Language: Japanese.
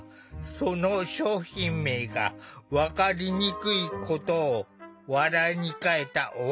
その商品名が分かりにくいことを笑いに変えたお話。